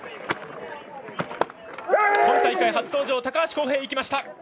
今大会初登場の高橋幸平です。